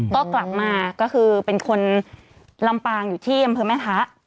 ก็กลับมาก็คือเป็นคนลำปางอยู่ที่อำเภอแม่ทะ